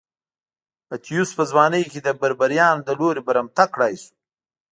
اتیوس په ځوانۍ کې د بربریانو له لوري برمته کړای شو